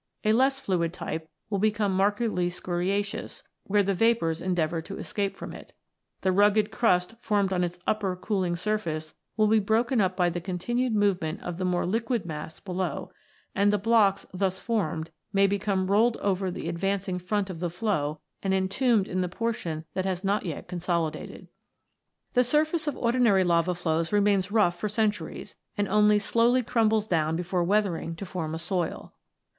A less fluid type will become markedly scoriaceous, where the vapours endeavour to escape from it ; the rugged crust formed on its upper cooling surface will be broken up by the continued movement of the more liquid mass below, and the blocks thus formed may become rolled over the advancing front of the flow and entombed in the portion that has not yet consolidated. The surface of ordinary lava flows remains rough for centuries, and only slowly crumbles down before weathering to form a soil.